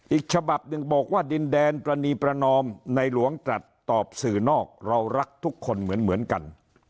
อีกฉบับหนึ่งบอกว่าดินแดนปรณีประนอมในหลวงตรัสตอบสื่อนอกเรารักทุกคนเหมือนกัน